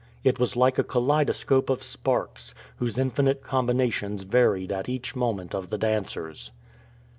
It was like a kaleidoscope of sparks, whose infinite combinations varied at each movement of the dancers.